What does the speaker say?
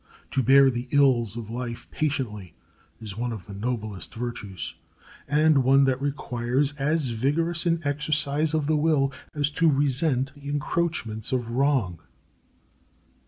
To bear the ills of life patiently is one of the noblest virtues, and one that requires as vigorous an exercise of the will as to resent the encroachments of wrong.